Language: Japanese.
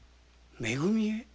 め組へ？